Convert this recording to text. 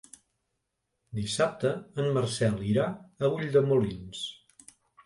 Dissabte en Marcel irà a Ulldemolins.